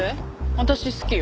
私好きよ。